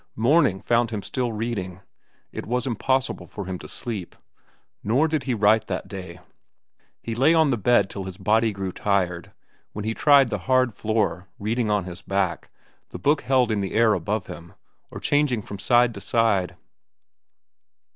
Morning found him still reading. It was impossible for him to sleep. Nor did he write that day. He lay on the bed till his body grew tired, when he tried the hard floor, reading on his back, the book held in the air above him, or changing from side to side.